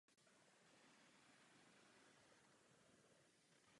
Seriál zaznamenal úspěch u kritiků a po celou dobu vysílání si držel vysokou sledovanost.